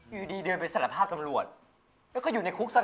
ยื่อดีเดินไปสารภาพกำรวชและก็อยู่ในคุกสนั่น